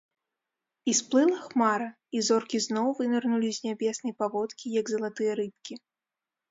І сплыла хмара, і зоркі зноў вынырнулі з нябеснай паводкі, як залатыя рыбкі.